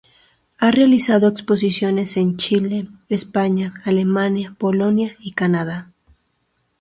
Ha realizado exposiciones en Chile, España, Alemania, Polonia y Canadá.